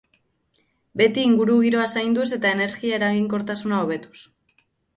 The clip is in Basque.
Beti ingurugiroa zainduz eta energia-eraginkortasuna hobetuz.